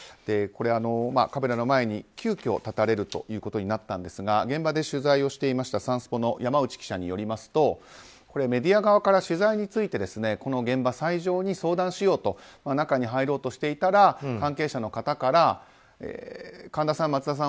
カメラの前に急きょ立たれるということになったんですが現場で取材をしていましたサンスポの山内記者によるとメディア側から取材についてこの現場、斎場に相談しようと中に入ろうとしていたら関係者の方から神田さん、松田さん